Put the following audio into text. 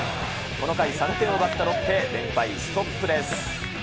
この回、３点を奪ったロッテ、連敗ストップです。